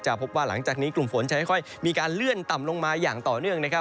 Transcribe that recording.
พบว่าหลังจากนี้กลุ่มฝนจะค่อยมีการเลื่อนต่ำลงมาอย่างต่อเนื่องนะครับ